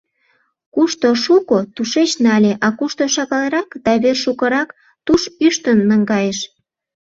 Кушто шуко, тушеч нале, а кушто шагалрак да вер шукырак, туш ӱштын наҥгайыш.